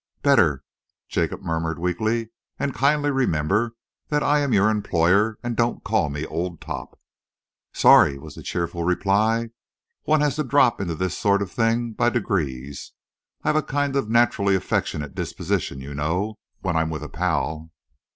"Better," Jacob murmured weakly. "And kindly remember that I am your employer, and don't call me 'old top.'" "Sorry," was the cheerful reply. "One has to drop into this sort of thing by degrees. I've a kind of naturally affectionate disposition, you know, when I'm with a pal."